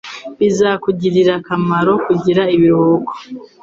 Bizakugirira akamaro kugira ibiruhuko.